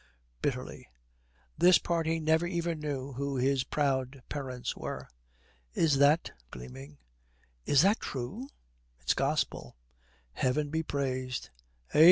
Bitterly, 'This party never even knew who his proud parents were.' 'Is that' gleaming 'is that true?' 'It's gospel.' 'Heaven be praised!' 'Eh?